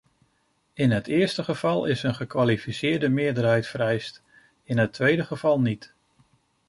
In het eerste geval is een gekwalificeerde meerderheid vereist, in het tweede geval niet.